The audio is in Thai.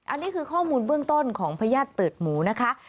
อันนี้คือข้อมูลเบื้องต้นของพญาติตืดหมูนะคะ